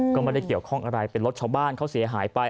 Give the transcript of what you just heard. ก็ไม่ได้เกี่ยวข้องอะไรเป็นรถชาวบ้านเขาเสียหายไป